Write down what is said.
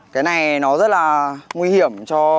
cái này nó rất là nguy hiểm cho